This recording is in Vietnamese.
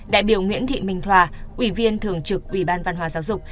đại biểu nguyễn thị minh thoả ủy viên thường trực ủy ban văn hóa giáo dục